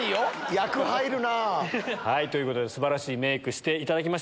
役、入るなあ。ということで、すばらしいメークしていただきました。